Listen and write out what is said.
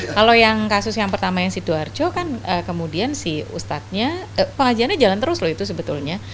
kalau yang kasus yang pertama yang sidoarjo kan kemudian si ustadznya pengajiannya jalan terus loh itu sebetulnya